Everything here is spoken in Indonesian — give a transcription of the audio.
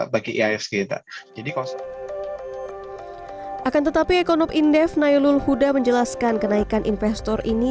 bagi ihsg jadi kosong akan tetapi ekonomi indef nayulul huda menjelaskan kenaikan investor ini